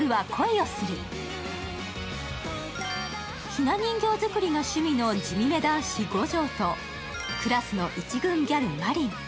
ひな人形作りが趣味の地味め男子、五条とクラスの１軍ギャル・海夢。